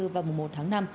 và mùa một tháng năm